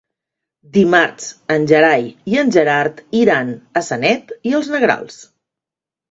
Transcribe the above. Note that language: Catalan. Dimarts en Gerai i en Gerard iran a Sanet i els Negrals.